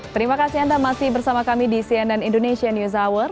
terima kasih anda masih bersama kami di cnn indonesia news hour